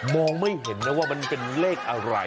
ไม่เห็นนะว่ามันเป็นเลขอะไร